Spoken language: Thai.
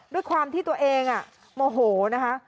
ด้วยความที่ตัวเองโมโหนะคะ